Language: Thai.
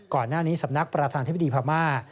ก่อนหน้านี้สำนักประธานทฤษฎีภามาร